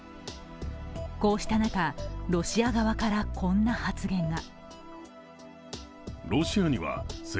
こうした中、ロシア側からこんな発言が。